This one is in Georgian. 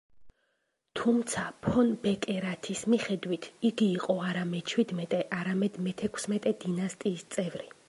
თუმცა ფონ ბეკერათის მიხედვით იგი იყო არა მეჩვიდმეტე არამედ მეთექვსმეტე დინასტიის წევრი.